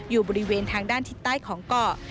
อยู่บริเวณทางด้านทิศใต้ของเกาะ